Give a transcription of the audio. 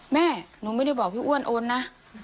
แม่หนูไม่ได้บอกพี่อ้วนโอนนะ